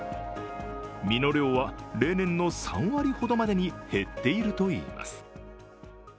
実の量は例年の３割ほどまでに減っているといいます。